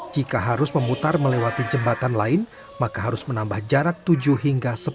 jika harus memutar melewati jembatan lain maka harus menambah jarak tujuh hingga sepuluh menit